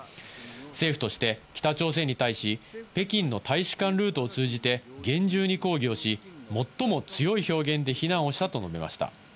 政府として北朝鮮に対し北京の大使館ルートを通じて厳重に抗議をし、最も強い表現で非難をしたと述べました。